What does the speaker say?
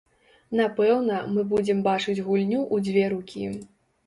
Напэўна, мы будзем бачыць гульню ў дзве рукі.